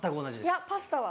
いやパスタは。